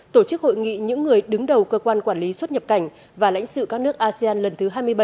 tổ chức hội nghị những người đứng đầu cơ quan quản lý xuất nhập cảnh và lãnh sự các nước asean lần thứ hai mươi bảy